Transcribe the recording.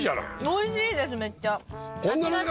おいしいですめっちゃ。